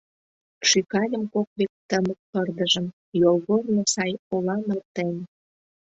Шӱкальым кок век тымык пырдыжым — Йолгорно сай ола мартен.